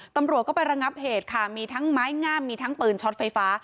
ตำรวจก็ไประงับเหตุค่ะมีทั้งไม้งามมีทั้งปืนช็อตไฟฟ้า